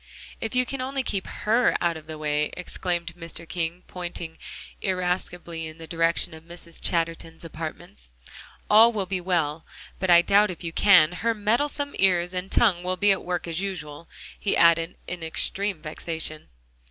"If you can only keep HER out of the way," exclaimed Mr. King, pointing irascibly in the direction of Mrs. Chatterton's apartments, "all will be well. But I doubt if you can; her meddlesome ears and tongue will be at work as usual," he added in extreme vexation.